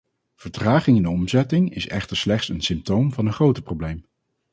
Vertraging in de omzetting is echter slechts een symptoom van een groter probleem.